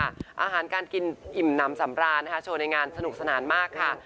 อาหารการกินอิ่มน้ำสำราญนะคะโชว์ในงานสนุกสนานมากค่ะ